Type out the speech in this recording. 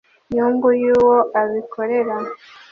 nyungu y uwo abikorera